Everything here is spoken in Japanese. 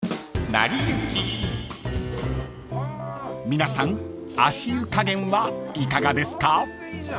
［皆さん足湯加減はいかがですか？］